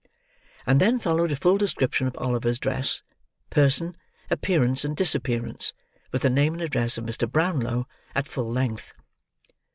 And then followed a full description of Oliver's dress, person, appearance, and disappearance: with the name and address of Mr. Brownlow at full length.